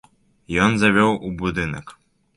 Ён завёў у будынак.